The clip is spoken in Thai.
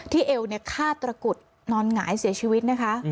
ที่เอวเนี้ยฆ่าตระกุฎนอนหงายเสียชีวิตนะคะอืม